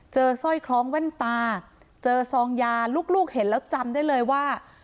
สร้อยคล้องแว่นตาเจอซองยาลูกเห็นแล้วจำได้เลยว่า